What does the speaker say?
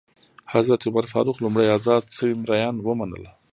حضرت عمر فاروق لومړی ازاد شوي مریان ومنل.